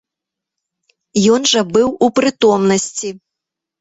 Ён жа быў у прытомнасці.